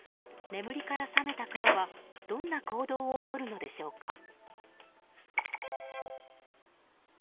眠りから覚めたクマはどんな行動をとるのでしょうか。